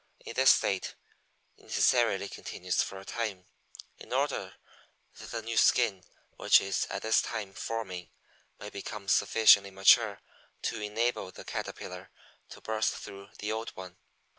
In this state it necessarily continues for a time, in order that the new skin, which is at this time forming, may become sufficiently mature to enable the Caterpillar to burst through the old one.